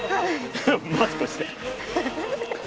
マスクして。